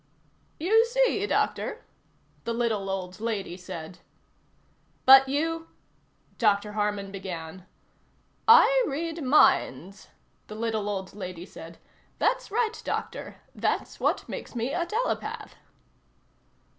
"You see, Doctor?" the little old lady said. "But you " Dr. Harman began. "I read minds," the little old lady said. "That's right, Doctor. That's what makes me a telepath."